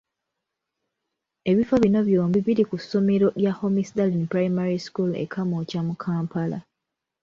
Ebifo bino byombi biri ku ssomero lya Homisdallen Primary School e Kamwokya mu Kampala.